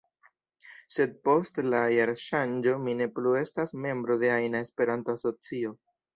Sed post la jarŝanĝo mi ne plu estas membro de ajna Esperanto-asocio.